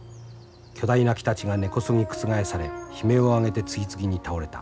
巨大な木たちが根こそぎ覆され悲鳴を上げて次々に倒れた。